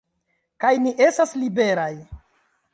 Kaj ni estas liberaj!